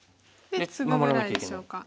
で守らなきゃいけない。